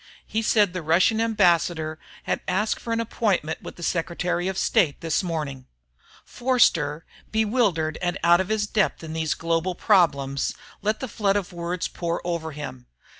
He said the Russian ambassador had asked for an appointment with the Secretary of State this morning...." Forster, bewildered and out of his depth in these global problems, let the flood of words pour over him.